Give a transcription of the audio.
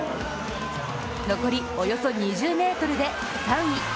残りおよそ２０ｍで３位。